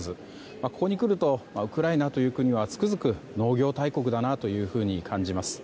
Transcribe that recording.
ここに来るとウクライナという国はつくづく農業大国だなと感じます。